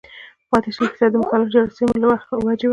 پاتې شل فيصده د مختلفو جراثيمو له وجې وي